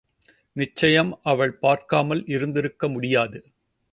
நிச்சயம் அவள் பார்க்காமல் இருந்திருக்க முடியாது.